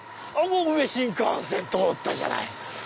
上新幹線通ったじゃない！